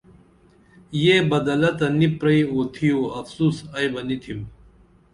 یہ بدلہ تہ نی پرئی اُوتِھیو افسوس ائی بہ نی تِھم